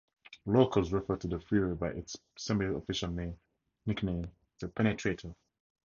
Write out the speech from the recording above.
Locals refer to the freeway by its semi-official nickname,"The Penetrator".